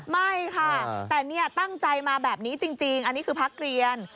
ไม่ค่ะแต่นี่ตั้งใจมาแบบนี้จริงอันนี้คือพักเรียน